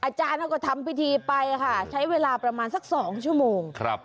อาจารย์เขาก็ทำพิธีไปค่ะใช้เวลาประมาณสัก๒ชั่วโมง